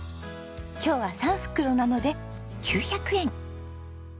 今日は３袋なので９００円！